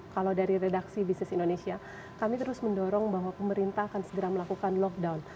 kalau dari redaksi bisnis indonesia kami terus mendorong bahwa pemerintah akan segera melakukan lockdown